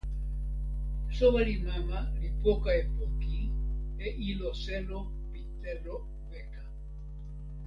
soweli mama li poka e poki, e ilo selo pi telo weka.